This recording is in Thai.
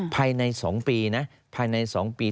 ภายในสองปีนะภายในสองปี